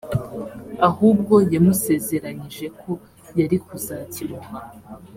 ahubwo yamusezeranyije ko yari kuzakimuha